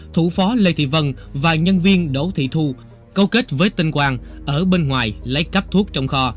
thủ phó lê thị vân và nhân viên đỗ thị thu câu kết với tên quang ở bên ngoài lấy cắp thuốc trong kho